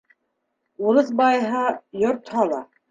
Урыҫ байыһа, йорт һала.